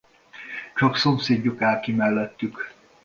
Csak szomszédjuk áll ki mellettük.